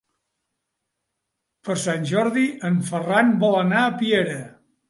Per Sant Jordi en Ferran vol anar a Piera.